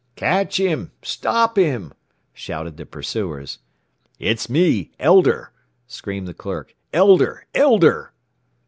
"Catch him! Stop him!" shouted the pursuers. "It's me! Elder!" screamed the clerk. "Elder! Elder!"